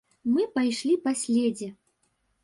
Мы пайшлі па следзе.